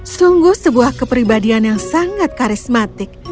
sungguh sebuah kepribadian yang sangat karismatik